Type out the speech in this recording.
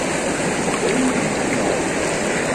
D ayen ur yi-neɛǧib.